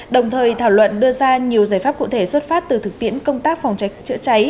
đồng thời thảo luận đưa ra nhiều giải pháp cụ thể xuất phát từ thực tiễn công tác phòng cháy chữa cháy